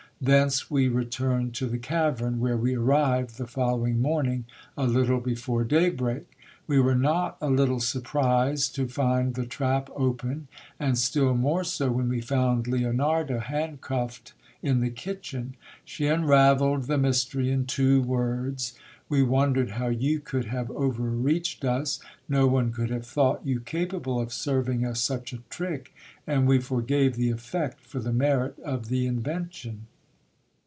Thence we returned to the cavern, where we arrived the following morning a little before daybreak. We were not a little surprised to find the trap open, and still more so, when we found Leonarda handcuffed in the kitchen. She unravelled the mystery in two words. We wondered how you could have overreached us ; no one could have thought you capable of serving us such a trick, and we forgave the effect for the merit of the invention.